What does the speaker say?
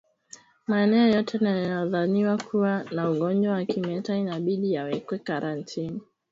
Maeneo yote yanayodhaniwa kuwa na ugonjwa wa kimeta inabidi yawekwe karantini